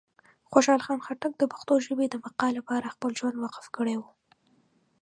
خوشحال خان خټک د پښتو ژبې د بقا لپاره خپل ژوند وقف کړی و.